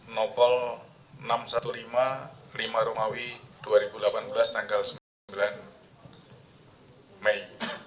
nopol enam ratus lima belas lima romawi dua ribu delapan belas tanggal sembilan mei